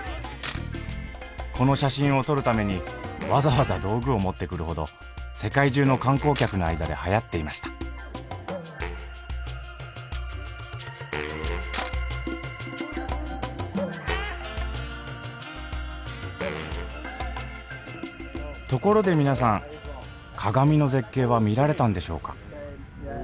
この写真を撮るためにわざわざ道具を持ってくるほど世界中の観光客の間ではやっていましたところで皆さん鏡の絶景は見られたんでしょうか？